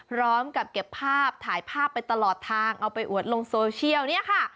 พร้อมกับเก็บภาพถ่ายภาพไปตลอดทางเอาไปอวดลงโซเชียลเนี่ยค่ะ